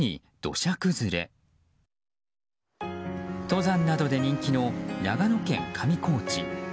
登山などで人気の長野県上高地。